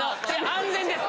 安全です！